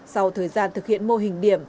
sau thời gian thực hiện mô hình điểm